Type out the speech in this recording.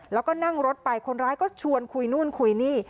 แล้วก็นั่งรถไปคนร้ายก็ชวนคุยนู่นคุยนี่